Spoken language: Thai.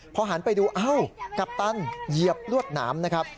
พอหันไปดูอ้าวกัปตันเหยียบลวดหนามนะครับ